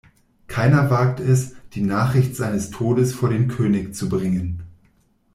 Keiner wagt es, die Nachricht seines Todes vor den König zu bringen.